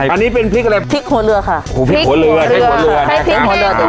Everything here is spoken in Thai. อันนี้เป็นพริกอะไรพริกหัวเรือค่ะพริกหัวเรือพริกหัวเรือพริกหัวเรือใครพริกให้ด้วย